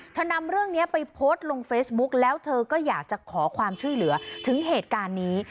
นำเรื่องนี้ไปโพสต์ลงเฟซบุ๊กแล้วเธอก็อยากจะขอความช่วยเหลือถึงเหตุการณ์นี้